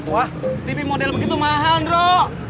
wah tv model begitu mahal ro